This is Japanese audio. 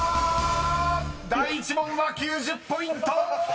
［第１問は９０ポイント！］